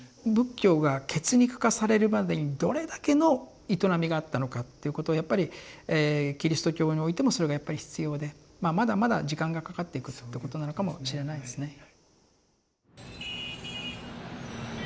仏教が血肉化されるまでにどれだけの営みがあったのかっていうことをやっぱりキリスト教においてもそれがやっぱり必要でまだまだ時間がかかっていくっていうことなのかもしれないですね。